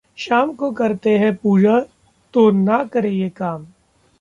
शाम को करते हैं पूजा तो ना करें ये काम...